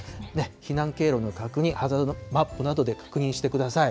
避難経路の確認、ハザードマップなどで確認してください。